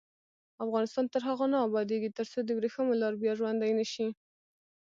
افغانستان تر هغو نه ابادیږي، ترڅو د وریښمو لار بیا ژوندۍ نشي.